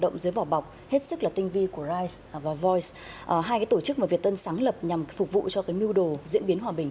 ngoại vi của rise và voice hai tổ chức mà việt tân sáng lập nhằm phục vụ cho mưu đồ diễn biến hòa bình